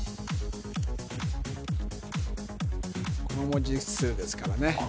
この文字数ですからね